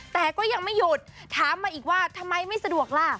แต่ก็ยังไม่หยุดถามมาอีกว่าทำไมไม่สะดวกล่ะ